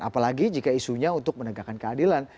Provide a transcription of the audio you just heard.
apalagi jika isunya untuk menegakkan keadilan